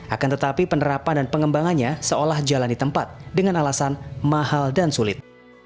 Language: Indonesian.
akan tetapi penerapan dan pengembangannya seolah jalan di tempat dengan alasan mahal dan sulit